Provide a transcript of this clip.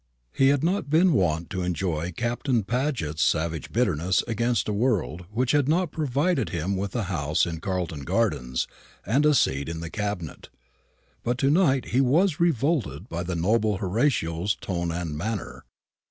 He had been wont to enjoy Captain Paget's savage bitterness against a world which had not provided him with a house in Carlton gardens, and a seat in the Cabinet; but to night he was revolted by the noble Horatio's tone and manner.